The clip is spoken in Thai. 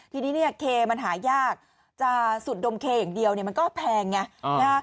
ทีนี้เนี่ยเคมันหายากจะสุดดมเคอย่างเดียวเนี่ยมันก็แพงไง